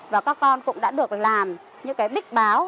và các con cũng đã được làm những cái bích báo